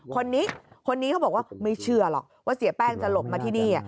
คนนี้คนนี้เขาบอกว่าไม่เชื่อหรอกว่าเสียแป้งจะหลบมาที่นี่